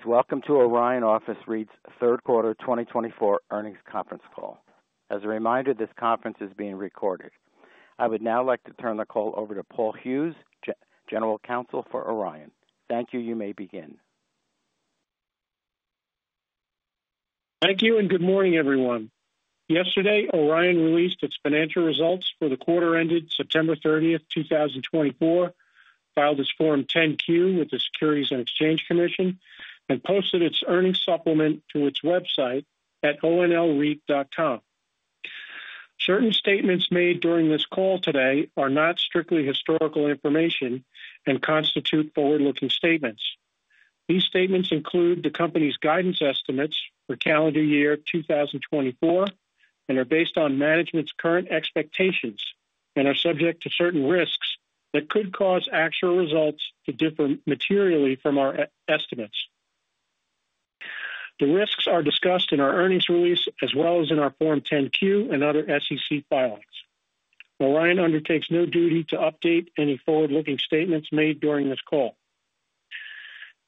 Greetings. Welcome to Orion Office REIT third quarter 2024 earnings conference call. As a reminder, this conference is being recorded. I would now like to turn the call over to Paul Hughes, General Counsel for Orion Office REIT. Thank you. You may begin. Thank you and good morning, everyone. Yesterday, Orion released its financial results for the quarter ended September 30th, 2024, filed as Form 10-Q with the Securities and Exchange Commission, and posted its earnings supplement to its website at onlreit.com. Certain statements made during this call today are not strictly historical information and constitute forward-looking statements. These statements include the company's guidance estimates for calendar year 2024 and are based on management's current expectations and are subject to certain risks that could cause actual results to differ materially from our estimates. The risks are discussed in our earnings release as well as in our Form 10-Q and other SEC filings. Orion undertakes no duty to update any forward-looking statements made during this call.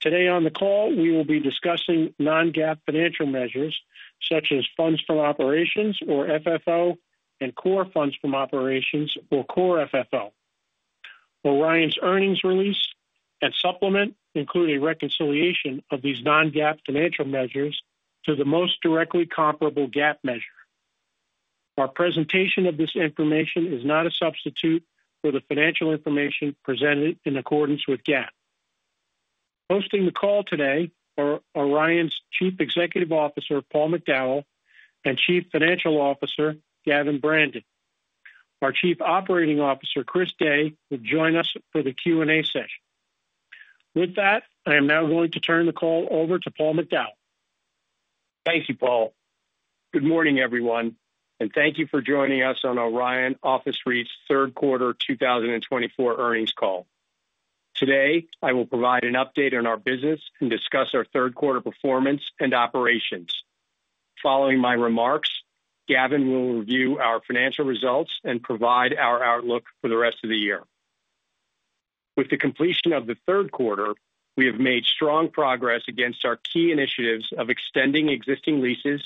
Today on the call, we will be discussing non-GAAP financial measures such as Funds From Operations or FFO and Core Funds From Operations or Core FFO. Orion's earnings release and supplement include a reconciliation of these non-GAAP financial measures to the most directly comparable GAAP measure. Our presentation of this information is not a substitute for the financial information presented in accordance with GAAP. Hosting the call today are Orion's Chief Executive Officer Paul McDowell and Chief Financial Officer Gavin Brandon. Our Chief Operating Officer Chris Day will join us for the Q&A session. With that, I am now going to turn the call over to Paul McDowell. Thank you, Paul. Good morning, everyone, and thank you for joining us on Orion Office REIT third quarter 2024 earnings call. Today, I will provide an update on our business and discuss our third quarter performance and operations. Following my remarks, Gavin will review our financial results and provide our outlook for the rest of the year. With the completion of the third quarter, we have made strong progress against our key initiatives of extending existing leases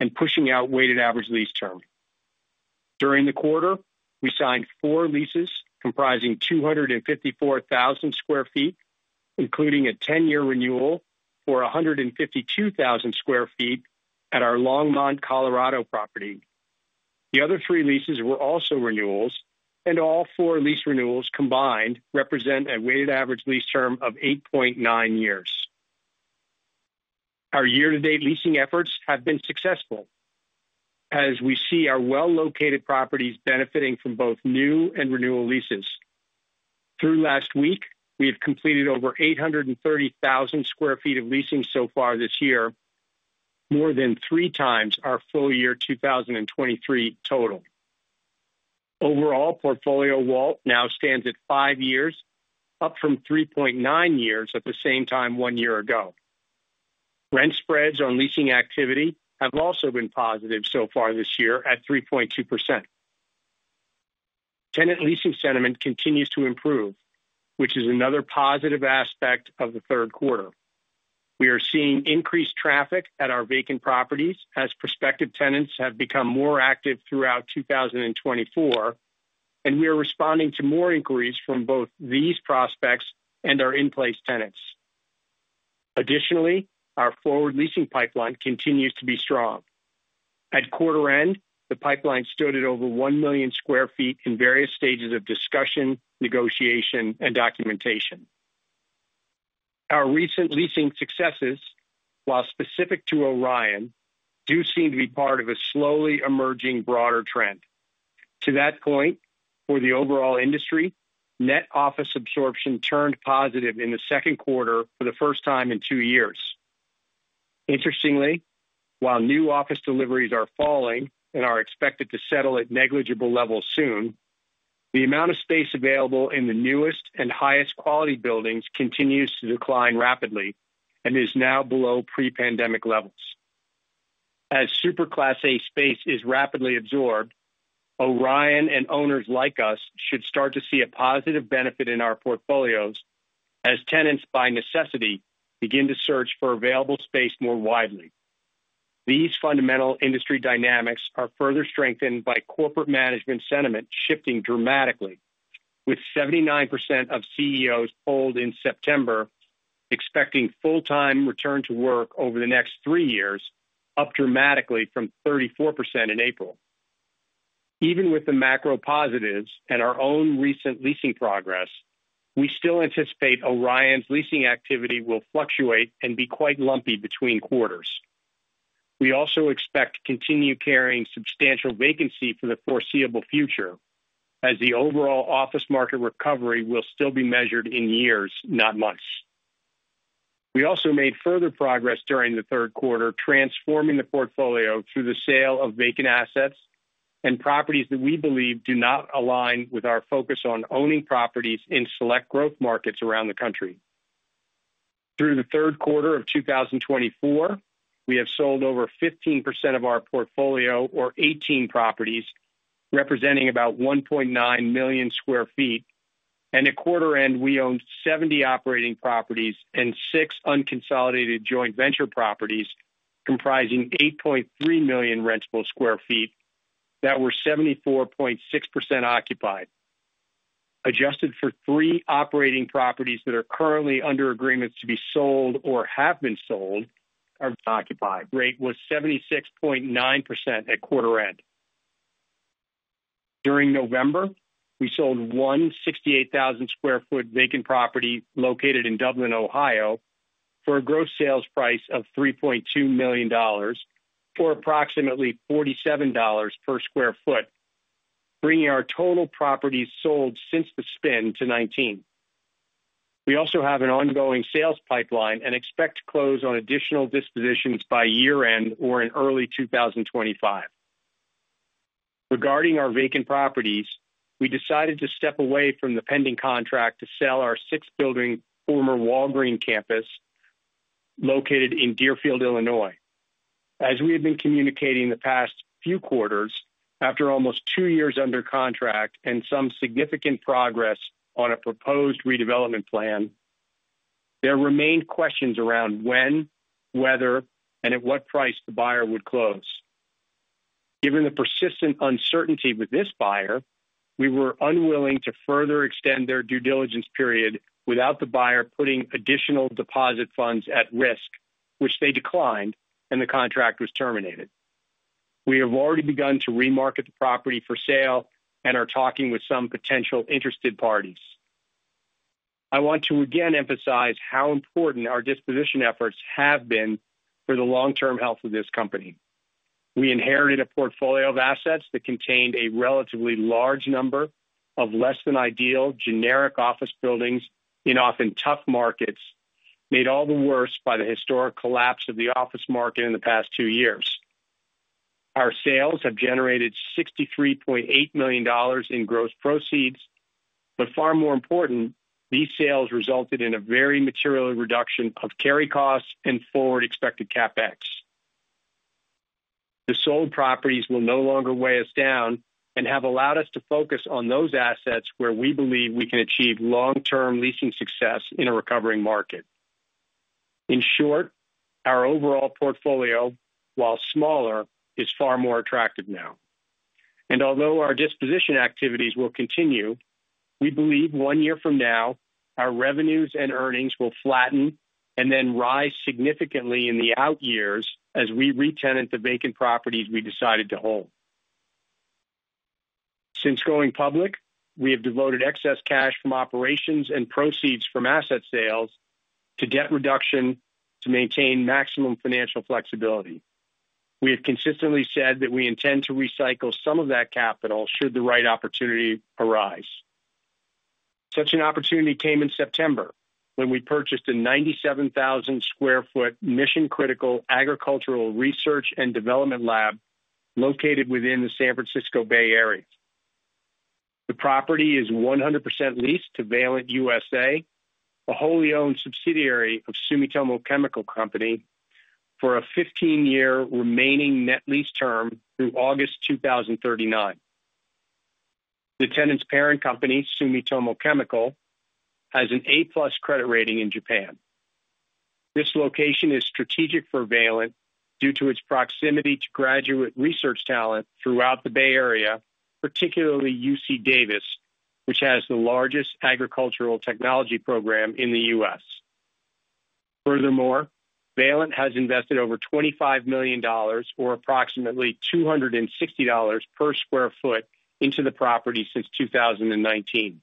and pushing out weighted average lease terms. During the quarter, we signed four leases comprising 254,000 sq ft, including a 10-year renewal for 152,000 sq ft at our Longmont, Colorado property. The other three leases were also renewals, and all four lease renewals combined represent a weighted average lease term of 8.9 years. Our year-to-date leasing efforts have been successful, as we see our well-located properties benefiting from both new and renewal leases. Through last week, we have completed over 830,000 sq ft of leasing so far this year, more than 3x our full year 2023 total. Overall, portfolio WALT now stands at five years, up from 3.9 years at the same time one year ago. Rent spreads on leasing activity have also been positive so far this year at 3.2%. Tenant leasing sentiment continues to improve, which is another positive aspect of the third quarter. We are seeing increased traffic at our vacant properties as prospective tenants have become more active throughout 2024, and we are responding to more inquiries from both these prospects and our in-place tenants. Additionally, our forward leasing pipeline continues to be strong. At quarter end, the pipeline stood at over 1 million sq ft in various stages of discussion, negotiation, and documentation. Our recent leasing successes, while specific to Orion, do seem to be part of a slowly emerging broader trend. To that point, for the overall industry, net office absorption turned positive in the second quarter for the first time in two years. Interestingly, while new office deliveries are falling and are expected to settle at negligible levels soon, the amount of space available in the newest and highest quality buildings continues to decline rapidly and is now below pre-pandemic levels. As super Class A space is rapidly absorbed, Orion and owners like us should start to see a positive benefit in our portfolios as tenants, by necessity, begin to search for available space more widely. These fundamental industry dynamics are further strengthened by corporate management sentiment shifting dramatically, with 79% of CEOs polled in September expecting full-time return to work over the next three years, up dramatically from 34% in April. Even with the macro positives and our own recent leasing progress, we still anticipate Orion's leasing activity will fluctuate and be quite lumpy between quarters. We also expect to continue carrying substantial vacancy for the foreseeable future, as the overall office market recovery will still be measured in years, not months. We also made further progress during the third quarter transforming the portfolio through the sale of vacant assets and properties that we believe do not align with our focus on owning properties in select growth markets around the country. Through the third quarter of 2024, we have sold over 15% of our portfolio, or 18 properties, representing about 1.9 million sq ft, and at quarter end, we owned 70 operating properties and six unconsolidated joint venture properties comprising 8.3 million rentable sq ft that were 74.6% occupied. Adjusted for three operating properties that are currently under agreements to be sold or have been sold, our occupied rate was 76.9% at quarter end. During November, we sold one 68,000 sq ft vacant property located in Dublin, Ohio, for a gross sales price of $3.2 million, or approximately $47 per sq ft, bringing our total properties sold since the spin to 19. We also have an ongoing sales pipeline and expect to close on additional dispositions by year-end or in early 2025. Regarding our vacant properties, we decided to step away from the pending contract to sell our sixth building, former Walgreens campus, located in Deerfield, Illinois. As we have been communicating the past few quarters, after almost two years under contract and some significant progress on a proposed redevelopment plan, there remained questions around when, whether, and at what price the buyer would close. Given the persistent uncertainty with this buyer, we were unwilling to further extend their due diligence period without the buyer putting additional deposit funds at risk, which they declined, and the contract was terminated. We have already begun to remarket the property for sale and are talking with some potential interested parties. I want to again emphasize how important our disposition efforts have been for the long-term health of this company. We inherited a portfolio of assets that contained a relatively large number of less-than-ideal generic office buildings in often tough markets, made all the worse by the historic collapse of the office market in the past two years. Our sales have generated $63.8 million in gross proceeds, but far more important, these sales resulted in a very material reduction of carry costs and forward expected CapEx. The sold properties will no longer weigh us down and have allowed us to focus on those assets where we believe we can achieve long-term leasing success in a recovering market. In short, our overall portfolio, while smaller, is far more attractive now, and although our disposition activities will continue, we believe one year from now our revenues and earnings will flatten and then rise significantly in the out years as we retenant the vacant properties we decided to hold. Since going public, we have devoted excess cash from operations and proceeds from asset sales to debt reduction to maintain maximum financial flexibility. We have consistently said that we intend to recycle some of that capital should the right opportunity arise. Such an opportunity came in September when we purchased a 97,000 sq ft mission-critical agricultural research and development lab located within the San Francisco Bay Area. The property is 100% leased to Valent U.S.A., a wholly owned subsidiary of Sumitomo Chemical Company, for a 15-year remaining net lease term through August 2039. The tenant's parent company, Sumitomo Chemical, has an A+ credit rating in Japan. This location is strategic for Valent due to its proximity to graduate research talent throughout the Bay Area, particularly UC Davis, which has the largest agricultural technology program in the U.S. Furthermore, Valent has invested over $25 million, or approximately $260 per sq ft, into the property since 2019.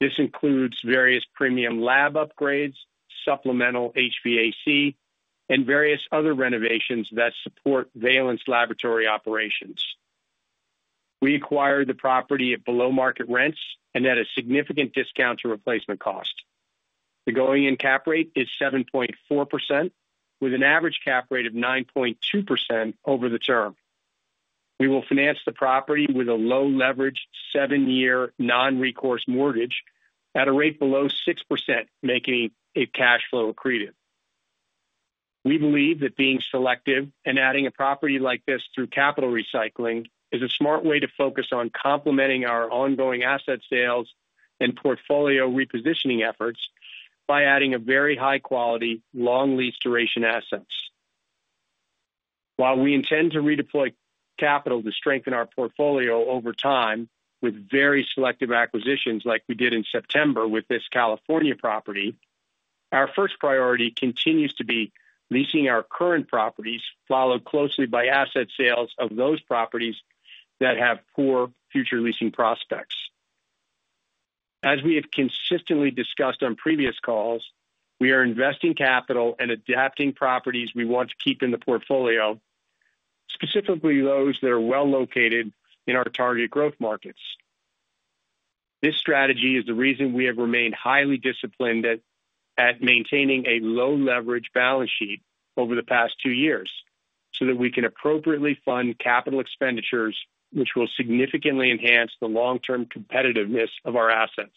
This includes various premium lab upgrades, supplemental HVAC, and various other renovations that support Valent's laboratory operations. We acquired the property at below-market rents and at a significant discount to replacement cost. The going-in cap rate is 7.4%, with an average cap rate of 9.2% over the term. We will finance the property with a low-leverage seven-year non-recourse mortgage at a rate below 6%, making it cash flow accretive. We believe that being selective and adding a property like this through capital recycling is a smart way to focus on complementing our ongoing asset sales and portfolio repositioning efforts by adding a very high-quality, long-lease duration assets. While we intend to redeploy capital to strengthen our portfolio over time with very selective acquisitions like we did in September with this California property, our first priority continues to be leasing our current properties, followed closely by asset sales of those properties that have poor future leasing prospects. As we have consistently discussed on previous calls, we are investing capital and adapting properties we want to keep in the portfolio, specifically those that are well located in our target growth markets. This strategy is the reason we have remained highly disciplined at maintaining a low-leverage balance sheet over the past two years so that we can appropriately fund capital expenditures, which will significantly enhance the long-term competitiveness of our assets.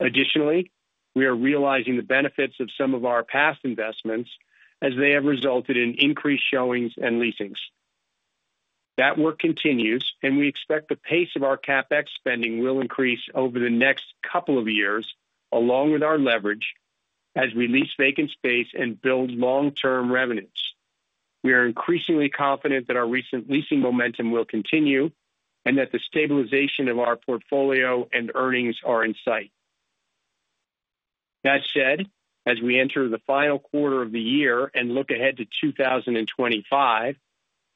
Additionally, we are realizing the benefits of some of our past investments as they have resulted in increased showings and leasings. That work continues, and we expect the pace of our CapEx spending will increase over the next couple of years, along with our leverage, as we lease vacant space and build long-term revenues. We are increasingly confident that our recent leasing momentum will continue and that the stabilization of our portfolio and earnings are in sight. That said, as we enter the final quarter of the year and look ahead to 2025,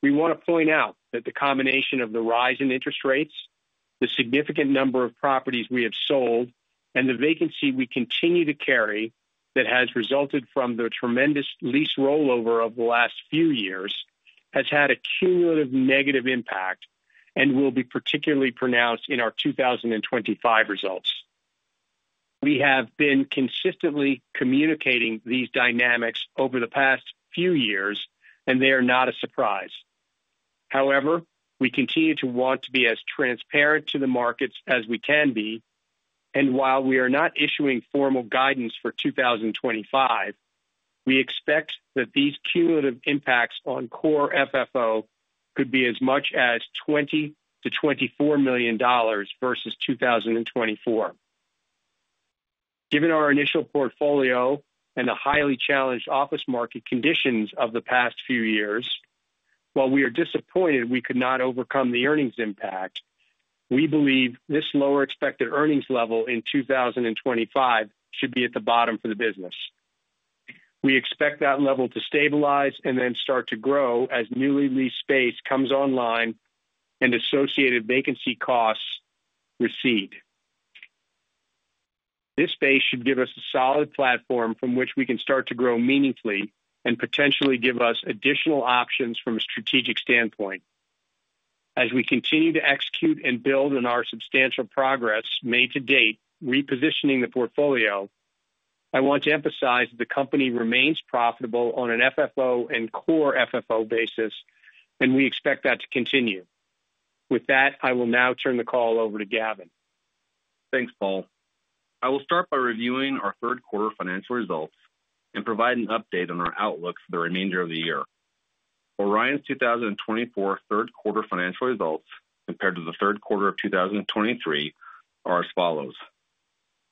we want to point out that the combination of the rise in interest rates, the significant number of properties we have sold, and the vacancy we continue to carry that has resulted from the tremendous lease rollover of the last few years has had a cumulative negative impact and will be particularly pronounced in our 2025 results. We have been consistently communicating these dynamics over the past few years, and they are not a surprise. However, we continue to want to be as transparent to the markets as we can be, and while we are not issuing formal guidance for 2025, we expect that these cumulative impacts on Core FFO could be as much as $20 million-$24 million versus 2024. Given our initial portfolio and the highly challenged office market conditions of the past few years, while we are disappointed we could not overcome the earnings impact, we believe this lower expected earnings level in 2025 should be at the bottom for the business. We expect that level to stabilize and then start to grow as newly leased space comes online and associated vacancy costs recede. This space should give us a solid platform from which we can start to grow meaningfully and potentially give us additional options from a strategic standpoint. As we continue to execute and build on our substantial progress made to date repositioning the portfolio, I want to emphasize that the company remains profitable on an FFO and Core FFO basis, and we expect that to continue. With that, I will now turn the call over to Gavin. Thanks, Paul. I will start by reviewing our third quarter financial results and provide an update on our outlook for the remainder of the year. Orion's 2024 third quarter financial results compared to the third quarter of 2023 are as follows: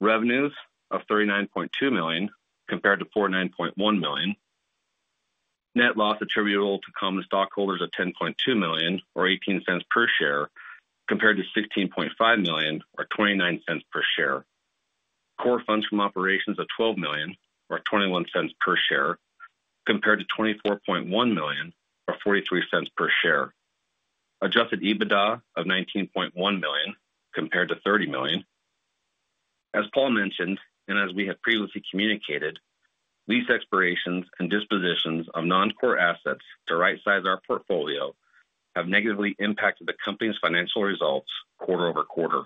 Revenues of $39.2 million compared to $49.1 million. Net loss attributable to common stockholders of $10.2 million, or $0.18 per share, compared to $16.5 million, or $0.29 per share. Core Funds From Operations of $12 million, or $0.21 per share, compared to $24.1 million, or $0.43 per share. Adjusted EBITDA of $19.1 million compared to $30 million. As Paul mentioned and as we have previously communicated, lease expirations and dispositions of non-core assets to right-size our portfolio have negatively impacted the company's financial results quarter-over-quarter.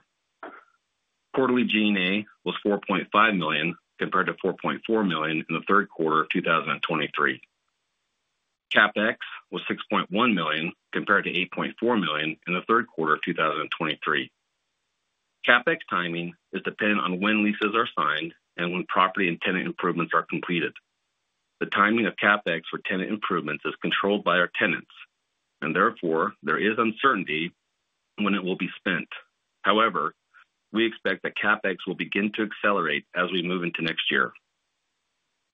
Quarterly G&A was $4.5 million compared to $4.4 million in the third quarter of 2023. CapEx was $6.1 million compared to $8.4 million in the third quarter of 2023. CapEx timing is dependent on when leases are signed and when property and tenant improvements are completed. The timing of CapEx for tenant improvements is controlled by our tenants, and therefore there is uncertainty when it will be spent. However, we expect that CapEx will begin to accelerate as we move into next year.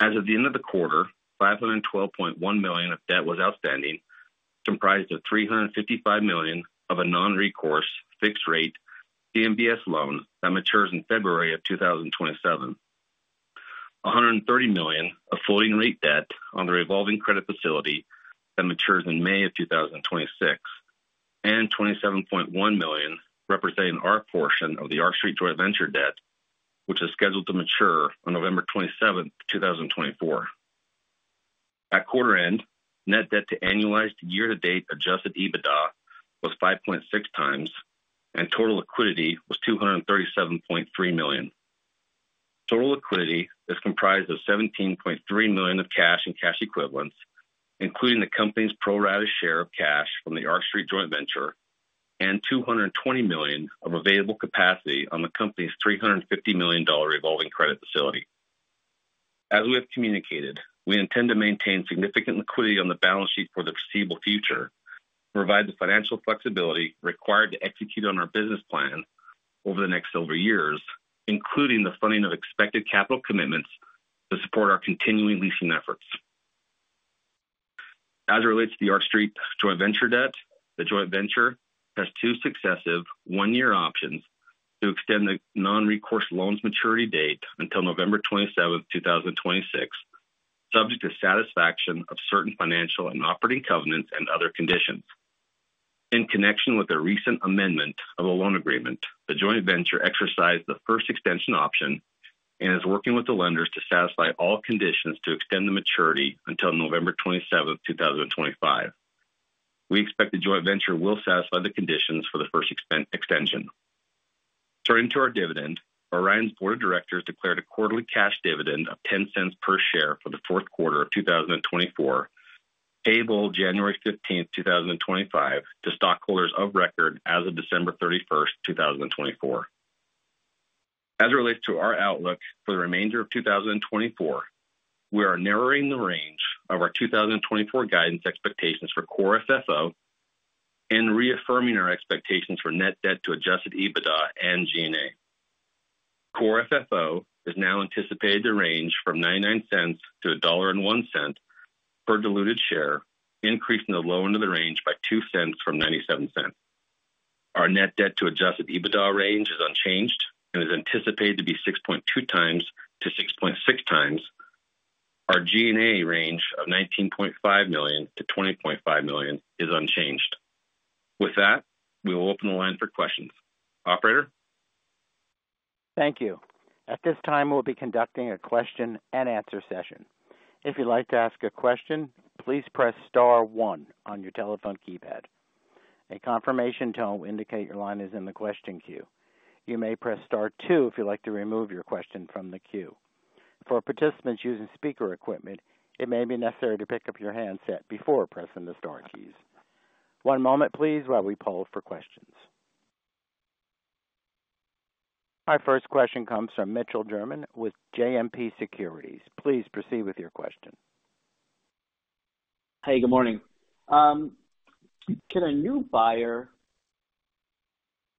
As of the end of the quarter, $512.1 million of debt was outstanding, comprised of $355 million of a non-recourse fixed-rate CMBS loan that matures in February of 2027, $130 million of floating-rate debt on the revolving credit facility that matures in May of 2026, and $27.1 million representing our portion of the Arch Street Joint Venture debt, which is scheduled to mature on November 27th, 2024. At quarter end, net debt to annualized year-to-date adjusted EBITDA was 5.6x, and total liquidity was $237.3 million. Total liquidity is comprised of $17.3 million of cash and cash equivalents, including the company's pro-rata share of cash from the Arch Street Joint Venture, and $220 million of available capacity on the company's $350 million revolving credit facility. As we have communicated, we intend to maintain significant liquidity on the balance sheet for the foreseeable future to provide the financial flexibility required to execute on our business plan over the next several years, including the funding of expected capital commitments to support our continuing leasing efforts. As it relates to the Arch Street Joint Venture debt, the joint venture has two successive one-year options to extend the non-recourse loan's maturity date until November 27th, 2026, subject to satisfaction of certain financial and operating covenants and other conditions. In connection with a recent amendment of a loan agreement, the joint venture exercised the first extension option and is working with the lenders to satisfy all conditions to extend the maturity until November 27th, 2025. We expect the joint venture will satisfy the conditions for the first extension. Turning to our dividend, Orion's board of directors declared a quarterly cash dividend of $0.10 per share for the fourth quarter of 2024, payable January 15th, 2025, to stockholders of record as of December 31st, 2024. As it relates to our outlook for the remainder of 2024, we are narrowing the range of our 2024 guidance expectations for Core FFO and reaffirming our expectations for net debt to adjusted EBITDA and G&A. Core FFO is now anticipated to range from $0.99-$1.01 per diluted share, increasing the low end of the range by $0.02 from $0.97. Our net debt to adjusted EBITDA range is unchanged and is anticipated to be 6.2x to 6.6x. Our G&A range of $19.5 million-$20.5 million is unchanged. With that, we will open the line for questions. Operator? Thank you. At this time, we'll be conducting a question-and-answer session. If you'd like to ask a question, please press star one on your telephone keypad. A confirmation tone will indicate your line is in the question queue. You may press star two if you'd like to remove your question from the queue. For participants using speaker equipment, it may be necessary to pick up your handset before pressing the star keys. One moment, please, while we poll for questions. Our first question comes from Mitch Germain with JMP Securities. Please proceed with your question. Hey, good morning. Can a new buyer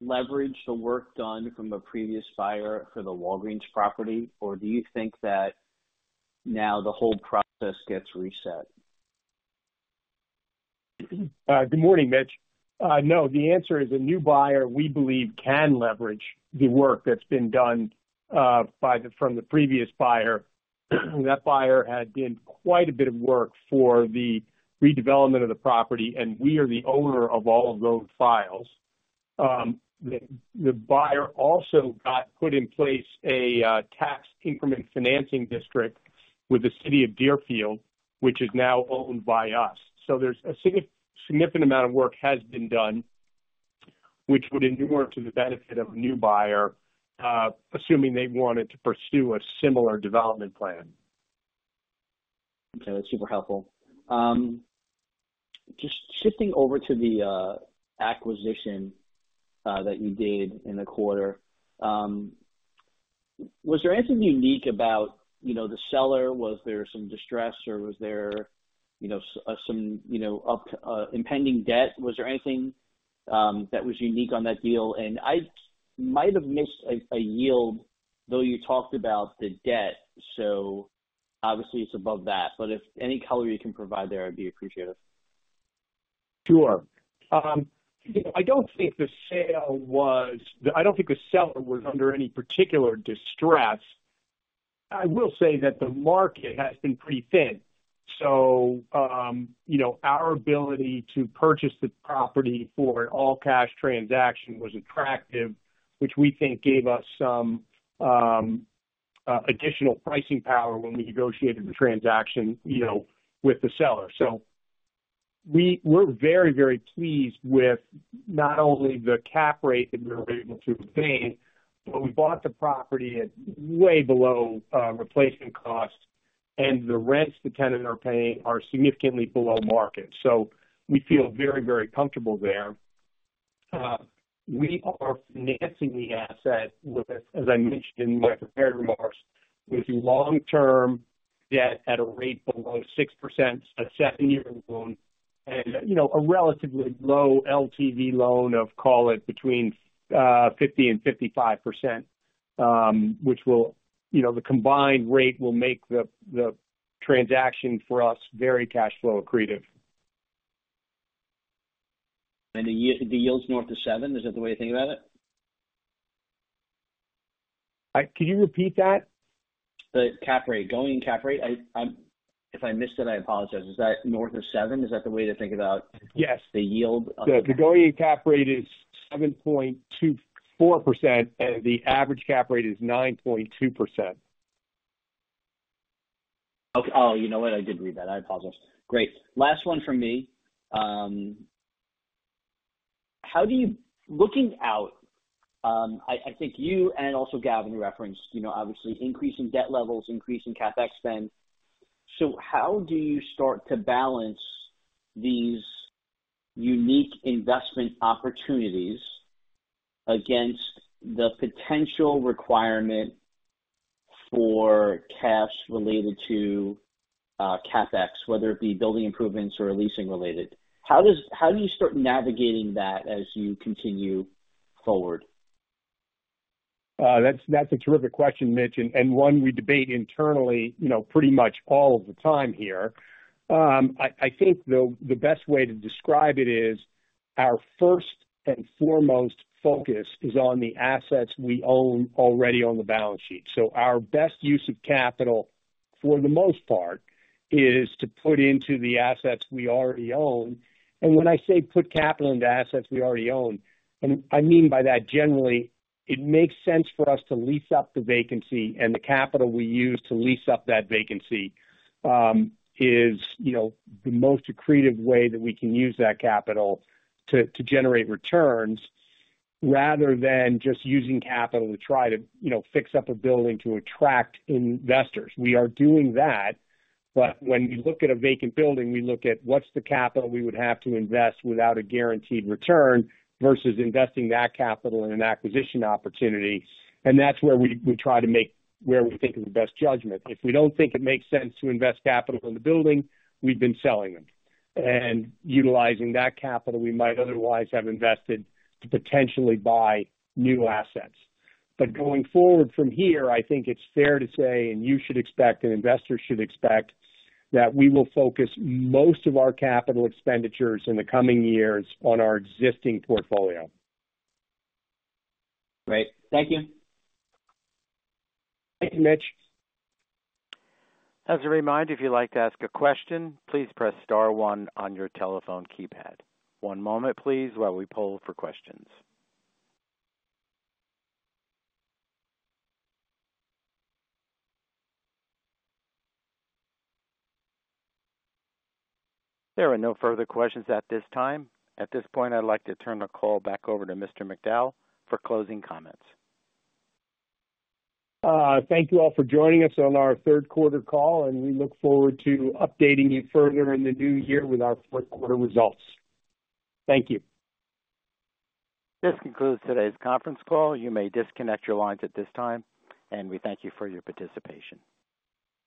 leverage the work done from a previous buyer for the Walgreens property, or do you think that now the whole process gets reset? Good morning, Mitch. No, the answer is a new buyer, we believe, can leverage the work that's been done from the previous buyer. That buyer had done quite a bit of work for the redevelopment of the property, and we are the owner of all of those files. The buyer also got put in place a tax increment financing district with the city of Deerfield, which is now owned by us. So there's a significant amount of work that has been done, which would undoubtedly work to the benefit of a new buyer, assuming they wanted to pursue a similar development plan. Okay, that's super helpful. Just shifting over to the acquisition that you did in the quarter, was there anything unique about the seller? Was there some distress, or was there some impending debt? Was there anything that was unique on that deal? And I might have missed a yield, though you talked about the debt, so obviously it's above that. But if any color you can provide there, I'd be appreciative. Sure. I don't think the sale was. I don't think the seller was under any particular distress. I will say that the market has been pretty thin. So our ability to purchase the property for an all-cash transaction was attractive, which we think gave us some additional pricing power when we negotiated the transaction with the seller. We're very, very pleased with not only the cap rate that we were able to obtain, but we bought the property at way below replacement cost, and the rents the tenants are paying are significantly below market. So we feel very, very comfortable there. We are financing the asset with, as I mentioned in my prepared remarks, with long-term debt at a rate below 6%, a seven-year loan, and a relatively low LTV loan of, call it, between 50% and 55%, which will, the combined rate will make the transaction for us very cash flow accretive. And the yield's north of 7%? Is that the way you think about it? Could you repeat that? The cap rate, going cap rate? If I missed it, I apologize. Is that north of 7%? Is that the way to think about the yield? Yes. The going cap rate is 7.24%, and the average cap rate is 9.2%. Oh, you know what? I did read that. I apologize. Great. Last one from me. Looking out, I think you and also Gavin referenced, obviously, increasing debt levels, increasing CapEx spend. So how do you start to balance these unique investment opportunities against the potential requirement for cash related to CapEx, whether it be building improvements or leasing related? How do you start navigating that as you continue forward? That's a terrific question, Mitch, and one we debate internally pretty much all of the time here. I think the best way to describe it is our first and foremost focus is on the assets we own already on the balance sheet. So our best use of capital, for the most part, is to put into the assets we already own. When I say put capital into assets we already own, I mean by that, generally, it makes sense for us to lease up the vacancy, and the capital we use to lease up that vacancy is the most accretive way that we can use that capital to generate returns rather than just using capital to try to fix up a building to attract investors. We are doing that, but when we look at a vacant building, we look at what's the capital we would have to invest without a guaranteed return versus investing that capital in an acquisition opportunity. That's where we try to make what we think is the best judgment. If we don't think it makes sense to invest capital in the building, we've been selling them. Utilizing that capital we might otherwise have invested to potentially buy new assets. But going forward from here, I think it's fair to say, and you should expect, and investors should expect, that we will focus most of our capital expenditures in the coming years on our existing portfolio. Great. Thank you. Thank you, Mitch. As a reminder, if you'd like to ask a question, please press star one on your telephone keypad. One moment, please, while we poll for questions. There are no further questions at this time. At this point, I'd like to turn the call back over to Mr. McDowell for closing comments. Thank you all for joining us on our third quarter call, and we look forward to updating you further in the new year with our fourth quarter results. Thank you. This concludes today's conference call. You may disconnect your lines at this time, and we thank you for your participation.